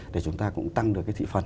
để chúng ta cũng tăng được cái thị phần